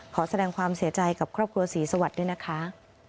ขอแสดงความเสียใจกับครอบครัวศรีสวัสดิ์ด้วยนะคะ